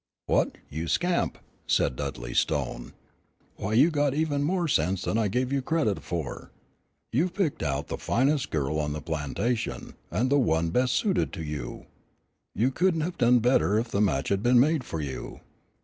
"What, you scamp!" said Dudley Stone. "Why, you've got even more sense than I gave you credit for; you've picked out the finest girl on the plantation, and the one best suited to you. You couldn't have done better if the match had been made for you.